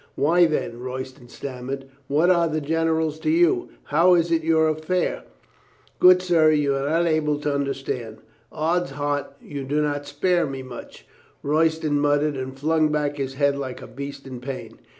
"Why, then?" Royston stammered. "What are the generals to you? How is it your affair?" "Good sir, you are not able to understand." "Ods heart, you do not spare me much," Royston muttered and flung back his head like a beast in pain.